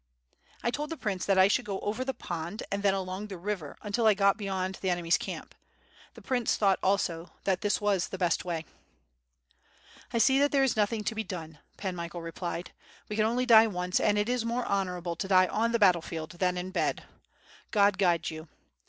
"I told the prince that T should go over the pond and then along the river until I got beyond the enemy's camp. The prince thousrht also that this was the best way." "I see that there is nothing else to be done," Pan Michael replied. "We can only die once and it is more honorable to die on the battle field than in bed. God guide you!